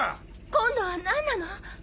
今度は何なの！？